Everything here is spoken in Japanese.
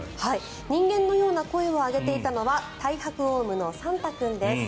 人間のような声を上げていたのはタイハクオウムのさんたくんです。